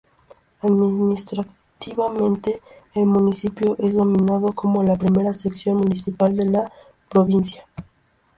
Administrativamente, el municipio es denominado como la "primera sección municipal" de la provincia.